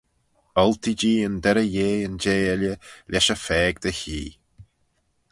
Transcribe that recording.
Oltee-jee yn derrey yeh yn jeh elley lesh y phaag dy hee.